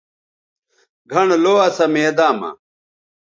گھنڑ لو اسا میداں مہ